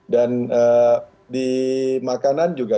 dan di makanan juga